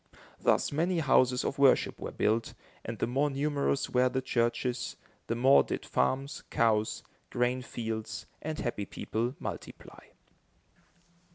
Thus many houses of worship were built, and the more numerous were the churches, the more did farms, cows, grain fields, and happy people multiply.